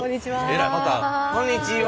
こんにちは。